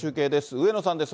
上野さんです。